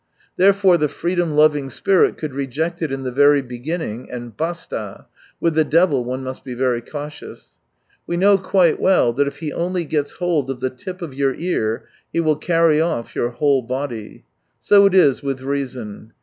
Therefore the frefedom loving spirit could reject it in the very beginning — and basia! With the devil one must be very cautious. We know quite well that if he only gets hold of the tip of your ear he will carry off your whole body. So it is with Reason.